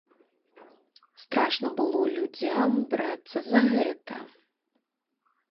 Страшна было людзям брацца за гэта.